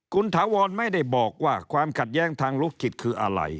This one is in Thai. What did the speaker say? คุณถาวรไม่ได้บอกว่าความขัดแย้งทางลูกจิตคืออะไร